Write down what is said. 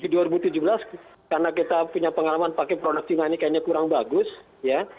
di dua ribu tujuh belas karena kita punya pengalaman pakai produk cina ini kayaknya kurang bagus ya